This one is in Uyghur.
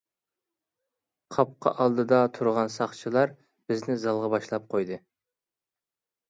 قاپقا ئالدىدا تۇرغان ساقچىلار بىزنى زالغا باشلاپ قويدى.